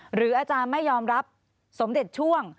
หรืออาจารย์ไม่ยอมรับสมเด็จช่วง